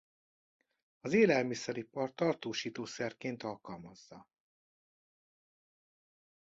Az élelmiszeripar tartósítószerként alkalmazza.